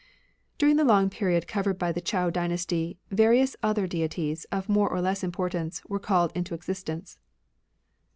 Other During the long period covered by °""*"» the ,Chou dynasty, various other deities, of more or less importance, were called into existence.